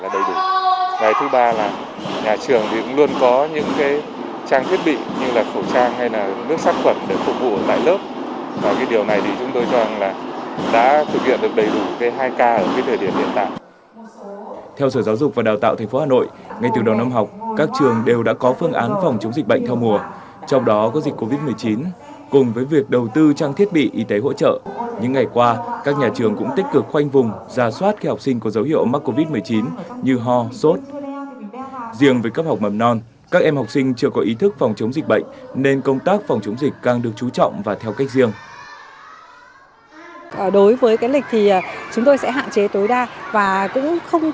đối với lịch thì chúng tôi sẽ hạn chế tối đa và cũng không ngại trừ cho các con xuống dưới sân